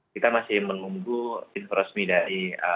kita masih menunggu info resmi dari